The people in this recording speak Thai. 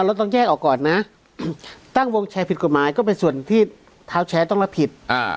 เราต้องแยกออกก่อนนะตั้งวงแชร์ผิดกฎหมายก็เป็นส่วนที่เท้าแชร์ต้องรับผิดอ่า